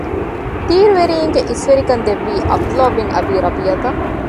ތީރުވެރީންގެ އިސްވެރިކަން ދެއްވީ ޢަބްދުﷲ ބިން އަބީ ރަބީޢަތަށް